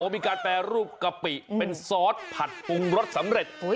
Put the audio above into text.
มีการแปรรูปกะปิเป็นซอสผัดปรุงรสสำเร็จ